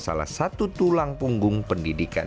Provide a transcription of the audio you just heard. salah satu tulang punggung pendidikan